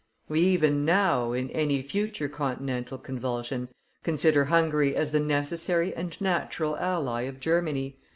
We even now, in any future continental convulsion, consider Hungary as the necessary and natural ally of Germany.